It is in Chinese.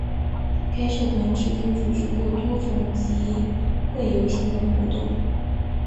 该社团至今组织过多次集会游行等活动。